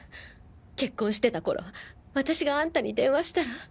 結婚してたころ私があんたに電話したら。